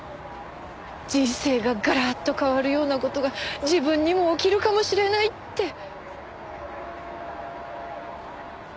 人生がガラッと変わるような事が自分にも起きるかもしれないって。